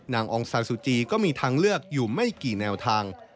องซาซูจีก็มีทางเลือกอยู่ไม่กี่แนวทาง